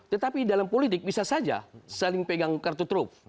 tetapi dalam politik bisa saja saling pegang kartu truk